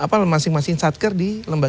jadi harus ada di masing masing satker di lembaga